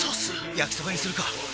焼きそばにするか！